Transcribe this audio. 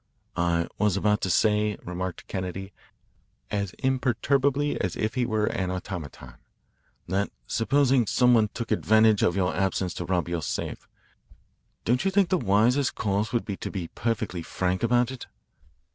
"I was about to say," remarked Kennedy as imperturbably as if he were an automaton, "that supposing some one took advantage of your absence to rob your safe, don't you think the wisest course would be to be perfectly frank about it?"